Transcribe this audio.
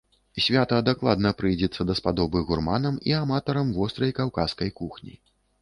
Свята дакладна прыйдзецца даспадобы гурманам і аматарам вострай каўказскай кухні.